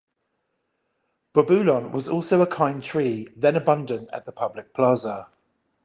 Bobulon was also a kind tree then abundant at the Public Plaza.